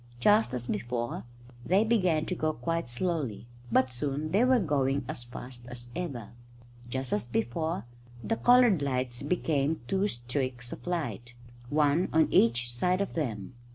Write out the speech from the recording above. Just as before, they began to go quite slowly, but soon they were going as fast as ever. Just as before, the coloured lights became two streaks of light, one on each side of them.